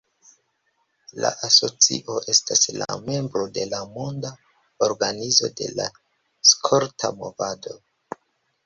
La asocio estas la membro de Monda Organizo de la Skolta Movado.